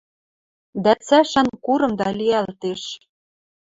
Дӓ цӓшӓн курымда лиӓлтеш.